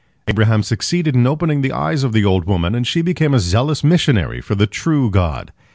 Abraham succeeded in opening the eyes of the old woman, and she became a zealous missionary for the true God.